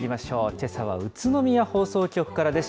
けさは宇都宮放送局からです。